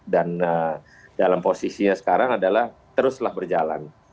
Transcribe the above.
dalam posisinya sekarang adalah teruslah berjalan